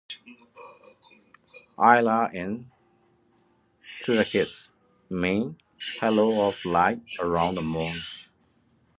Ayla in Turkish means "halo of light around the moon".